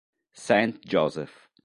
Saint Joseph